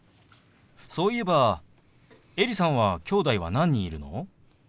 そういえばエリさんはきょうだいは何人いるの？